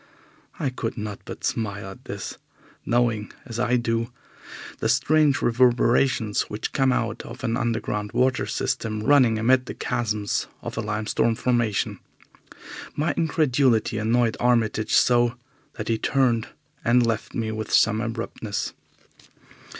I could not but smile at this, knowing, as I do, the strange reverberations which come out of an underground water system running amid the chasms of a limestone formation. My incredulity annoyed Armitage so that he turned and left me with some abruptness.